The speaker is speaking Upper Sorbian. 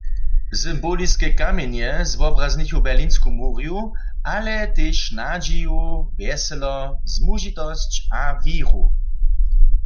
Symboliske kamjenje zwobraznichu Berlinsku murju, ale tež nadźiju, wjeselo, zmužitosć a wěru.